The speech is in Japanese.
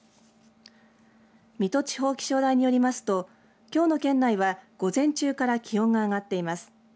水戸地方気象台によりますときょうの県内は午前中から気温が上がっています。